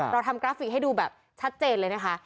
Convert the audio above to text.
เราทำกราฟิกให้ดูแบบชัดเจนเลยนะคะ